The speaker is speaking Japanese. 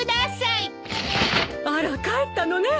あら帰ったのね。